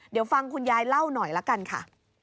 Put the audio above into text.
เดี๋ยวฟังคุณยายเล่าหน่อยละกันค่ะ